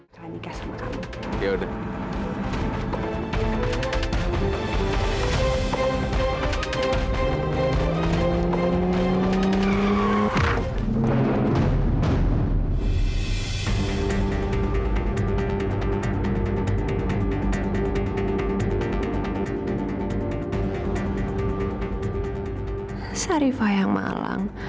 sari kata oleh sdi media